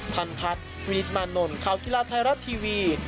ทันทัศน์วินิตมานนท์ข่าวกีฬาไทยรัฐทีวี